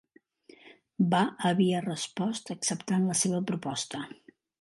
Va havia respost acceptant la seva proposta.